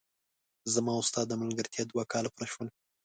زما او ستا د ملګرتیا دوه کاله پوره شول!